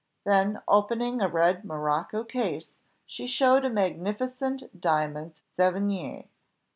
Then opening a red morocco case she showed a magnificent diamond Sevigné.